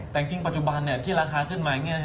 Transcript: แต่จริงปัจจุบันที่ราคาขึ้นมา